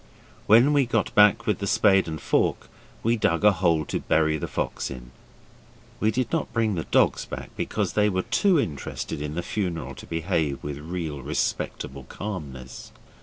When we got back with the spade and fork we dug a hole to bury the fox in. We did not bring the dogs back, because they were too interested in the funeral to behave with real, respectable calmness.